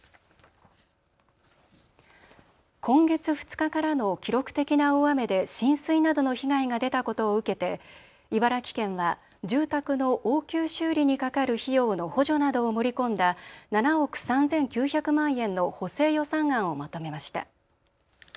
今月２日からの記録的な大雨で浸水などの被害が出たことを受けて茨城県は住宅の応急修理にかかる費用の補助などを盛り込んだ７億３９００万円の補正予算案をまとめました。